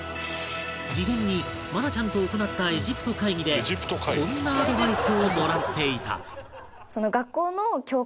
事前に愛菜ちゃんと行ったエジプト会議でこんなアドバイスをもらっていた